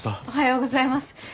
おはようございます。